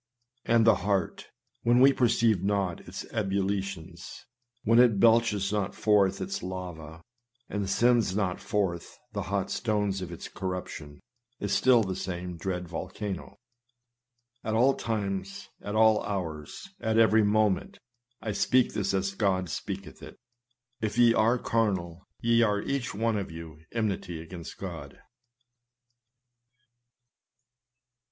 And the heart, when we perceive not its ebullitions, when it belches not forth its lava, and sendeth not forth the hot stones of its corruption, is still the same dread volcano. At all times, at all hours, at every moment, (I speak this as God speaketh it,) if ye are carnal, ye are each one of you enmity against God.